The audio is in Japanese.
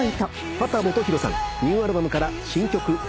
秦基博さんニューアルバムから新曲『イカロス』